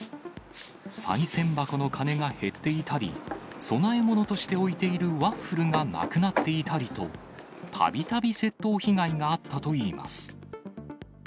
さい銭箱の金が減っていたり、供え物として置いているワッフルがなくなっていたりと、たびたび窃盗被害があったといいます。